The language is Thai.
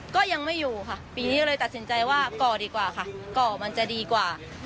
ก็ยังไม่อยู่ค่ะปีนี้เลยตัดสินใจว่าก่อดีกว่าค่ะก่อมันจะดีกว่า